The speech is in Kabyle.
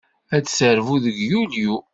Ad d-terbu deg Yulyu.